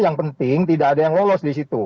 yang penting tidak ada yang lolos di situ